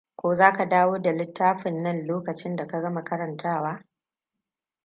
Ko za ka dawo da littafin nan lokacin da ka gama karantawa.